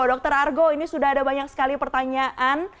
dokter argo ini sudah ada banyak sekali pertanyaan